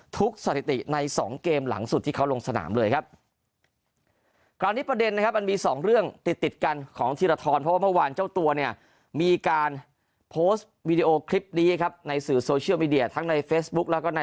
สถิติใน๒เกมหลังสุดที่เขาลงสนามเลยครับ